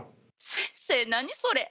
先生何それ。